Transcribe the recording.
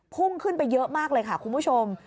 พุ่งขึ้นไปเยอะมากเลยค่ะคุณผู้ชม